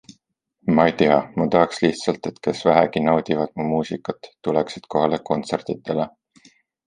Ma ei tea, ma tahaks lihtsalt, et kes vähegi naudivad mu muusikat, tuleksid kohale kontsertidele.